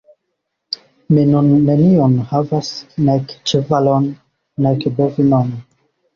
Mi nun nenion havas, nek ĉevalon, nek bovinon.